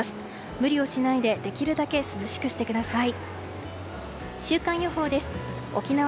無理をしないでできるだけ涼しくしてください。